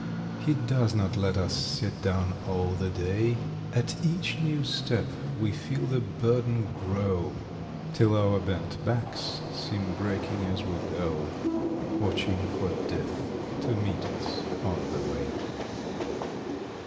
He does not let us sit down all the day. At each new step we feel the burden grow, Till our bent backs seem breaking as we go, Watching for Death to meet us on the way.